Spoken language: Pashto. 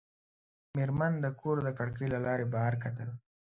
مېرمن د کور د کړکۍ له لارې بهر کتل.